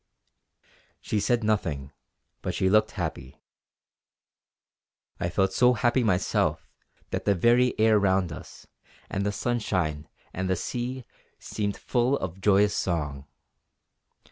She said nothing, but she looked happy. I felt so happy myself that the very air round us, and the sunshine, and the sea, seemed full of joyous song.